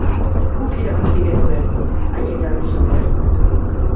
Guk irabazi genuen, haiek galdu zuten.